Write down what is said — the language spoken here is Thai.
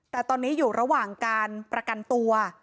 แต่ตอนนี้อยู่ระหว่างการประกันตัว